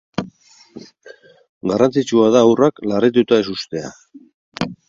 Garrantzitsua da haurrak larrituta ez uztea.